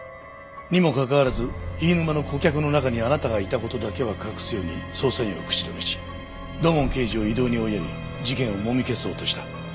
にもかかわらず飯沼の顧客の中にあなたがいた事だけは隠すように捜査員を口止めし土門刑事を異動に追いやり事件をもみ消そうとした。